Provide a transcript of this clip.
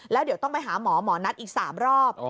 แล้วเดี๋ยวต้องไปหาหมอหมอนัทอีก๓รอบ